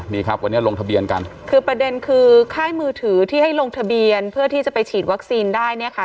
นี่ครับวันนี้ลงทะเบียนกันคือประเด็นคือค่ายมือถือที่ให้ลงทะเบียนเพื่อที่จะไปฉีดวัคซีนได้เนี่ยค่ะ